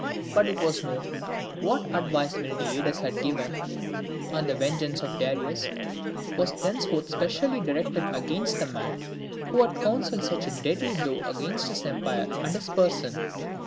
But it was known what advice Miltiades had given; and the vengeance of Darius was thenceforth specially directed against the man who had counselled such a deadly blow against his empire and his person.